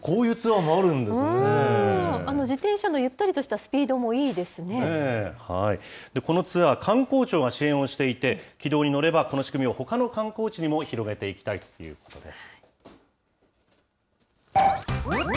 自転車のゆったりとしたスピこのツアー、観光庁が支援をしていて、軌道に乗れば、この仕組みをほかの観光地にも広げていきたいということです。